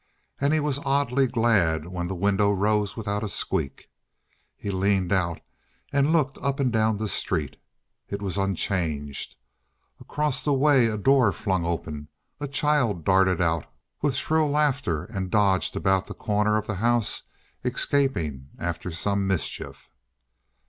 And he was oddly glad when the window rose without a squeak. He leaned out and looked up and down the street. It was unchanged. Across the way a door flung open, a child darted out with shrill laughter and dodged about the corner of the house, escaping after some mischief.